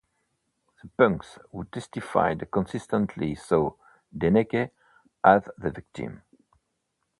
The punks who testified consistently saw Deneke as the victim.